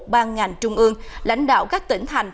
ban ngành trung ương lãnh đạo các tỉnh thành